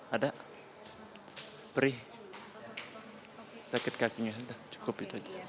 ada perih sakit kakinya cukup itu aja